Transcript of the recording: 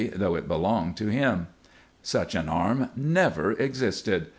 though it belonged to him. Such an arm never existed.